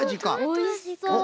おいしそう。